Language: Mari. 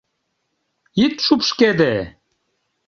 — Ит шупшкеде!..